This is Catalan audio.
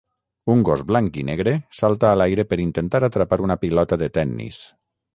Un gos blanc i negre salta a l'aire per intentar atrapar una pilota de tennis.